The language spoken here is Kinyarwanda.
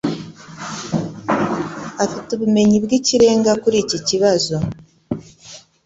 Afite ubumenyi bwikirenga kuri iki kibazo.